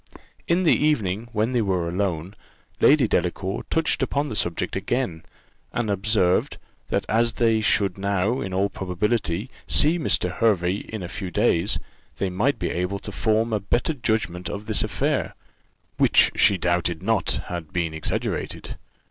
In the evening, when they were alone, Lady Delacour touched upon the subject again, and observed, that as they should now, in all probability, see Mr. Hervey in a few days, they might be able to form a better judgment of this affair, which she doubted not had been exaggerated.